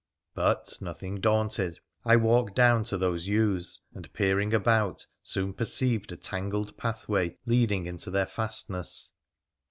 But, nothing daunted, I walked down to these yews, and peering about soon perceived a tangled pathway leading into their fastness.